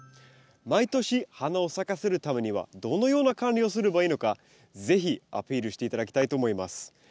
毎年花を咲かせるためにはどのような管理をすればいいのか是非アピールして頂きたいと思います。